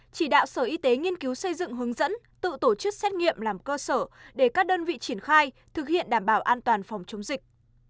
chỉ đạo sở y tế nghiên cứu xây dựng hướng dẫn tự tổ chức xét nghiệm làm cơ sở để các đơn vị triển khai thực hiện đảm bảo an toàn phòng chống dịch